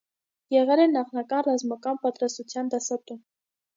Եղել է նախնական ռազմական պատրաստության դասատու։